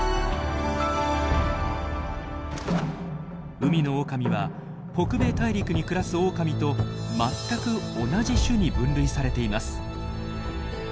海のオオカミは北米大陸に暮らすオオカミと全く同じ種に分類されています。